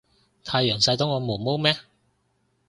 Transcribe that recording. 太陽傷到我毛毛咩